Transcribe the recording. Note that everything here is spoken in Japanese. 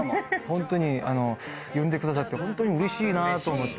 ホントに呼んでくださってうれしいなと思って。